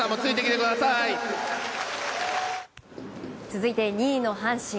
続いて、２位の阪神。